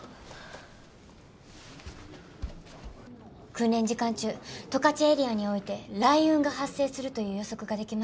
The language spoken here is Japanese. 訓練時間中十勝エリアにおいて雷雲が発生するという予測ができます。